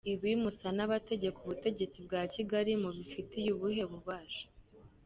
Ibi musa n’abategeka ubutegetsi bwa Kigali, mubifitiye ubuhe bubasha ?